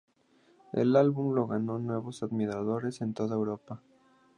El álbum le ganó nuevos admiradores en toda Europa.